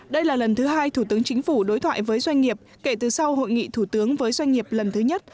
đây là lần thứ hai thủ tướng chính phủ đối thoại với doanh nghiệp kể từ sau hội nghị thủ tướng với doanh nghiệp lần thứ nhất